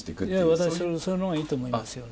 私はそのほうがいいと思いますね。